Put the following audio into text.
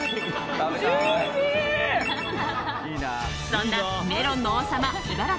そんなメロンの王様イバラ